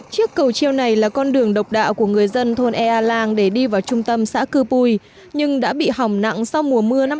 chiếc cầu treo này là con đường độc đạo của người dân thôn ea lang để đi vào trung tâm xã cư pui nhưng đã bị hỏng nặng sau mùa mưa năm hai nghìn một mươi tám